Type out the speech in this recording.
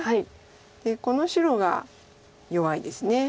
でこの白が弱いです。